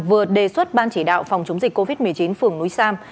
vừa đề xuất ban chỉ đạo phòng chống dịch covid một mươi chín phường núi sam